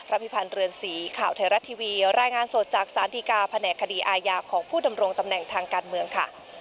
พิพันธ์เรือนสีข่าวไทยรัฐทีวีรายงานสดจากสารดีกาแผนกคดีอาญาของผู้ดำรงตำแหน่งทางการเมืองค่ะ